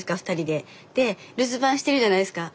で留守番してるじゃないですか。